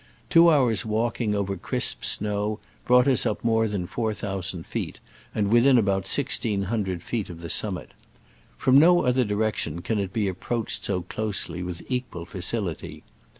Two hours' walking over crisp snow brought us up more than four thousand feet, and within about sixteen hundred feet of the summit. From no other direction can it be approached so close ly with equal facility.